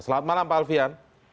selamat malam pak alfian